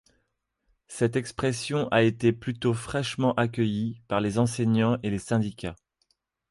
Cette expression a été plutôt fraîchement accueillie par les enseignants et les syndicats.